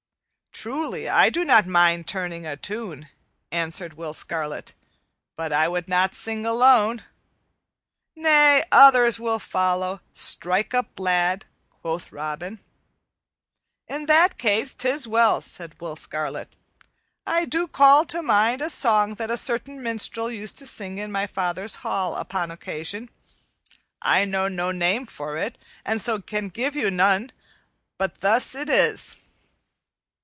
"Truly, I do not mind turning a tune," answered Will Scarlet, "but I would not sing alone." "Nay, others will follow. Strike up, lad," quoth Robin. "In that case, 'tis well," said Will Scarlet. "I do call to mind a song that a certain minstrel used to sing in my father's hall, upon occasion. I know no name for it and so can give you none; but thus it is."